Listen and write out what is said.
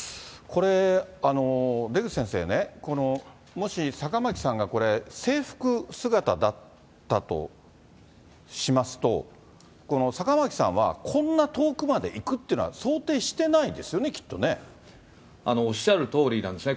これ、出口先生ね、もし、坂巻さんがこれ、制服姿だったとしますと、坂巻さんはこんな遠くまで行くっていうのは想定してないですよね、おっしゃるとおりなんですね。